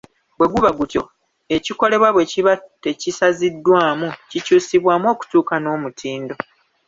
Bwe gutaba gutyo, ekikolebwa bwe kiba tekisaziddwamu, kikyusibwamu okutuukana n’omutindo.